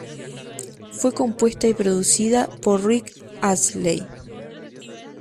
Fue compuesta y producida por Rick Astley.